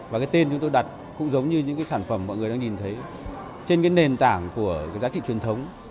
và cái tên chúng tôi đặt cũng giống như những cái sản phẩm mọi người đang nhìn thấy trên cái nền tảng của giá trị truyền thống